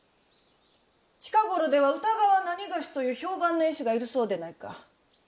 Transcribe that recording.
近頃では歌川なにがしという評判の絵師がいるそうでないか。